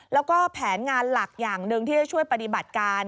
แล้วก็แผนงานหลักอย่างหนึ่งที่จะช่วยปฏิบัติการ